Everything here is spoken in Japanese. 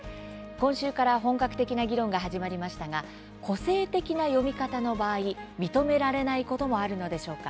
今週から本格的な議論が始まりましたが個性的な読み方の場合認められないこともあるのでしょうか？